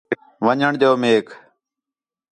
ون٘ڄݨ ݙیؤ میک